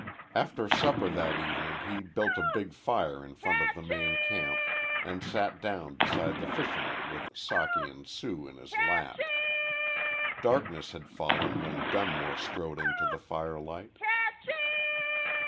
After supper that evening he built a big fire in front of the main camp, and sat down beside the fishermen with Socky and Sue in his lap. Darkness had fallen when Dunmore strode into the firelight.